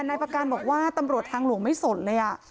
นายประการบอกว่าตำรวจทางหลวงไม่สนเลย